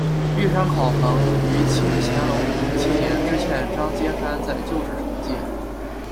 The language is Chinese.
玉山考棚于清乾隆五十七年知县张兼山在旧址重建。